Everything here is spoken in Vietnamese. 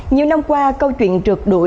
nhiều năm qua câu chuyện trượt đuổi